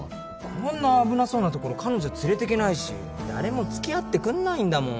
こんな危なそうなところ彼女連れてけないし誰も付き合ってくんないんだもん。